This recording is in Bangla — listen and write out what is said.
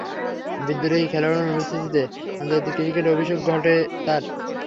বিদ্রোহী খেলোয়াড়দের অনুপস্থিতিতে আন্তর্জাতিক ক্রিকেটে অভিষেক ঘটে তার।